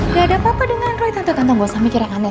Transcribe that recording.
nggak ada apa apa dengan roy tante tante nggak usah mikir aneh aneh